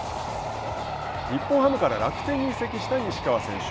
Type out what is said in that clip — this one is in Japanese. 日本ハムから楽天に移籍した西川選手。